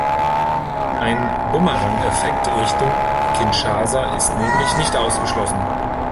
Ein Bumerangeffekt Richtung Kinshasa ist nämlich nicht ausgeschlossen.